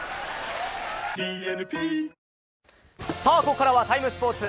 ここからは「ＴＩＭＥ，スポーツ」。